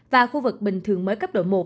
và khu vực bình thường mới cấp độ một